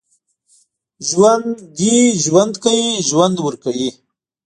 ژوندي ژوند کوي، ژوند ورکوي